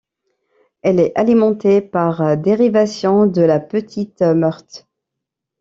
Elle est alimentée par dérivation de la Petite Meurthe.